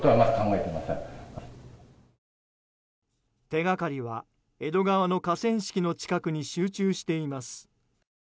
手がかりは江戸川の河川敷の近くに集中しています。